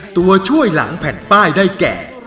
ตัวช่วยหลังแผ่นป้ายได้แก่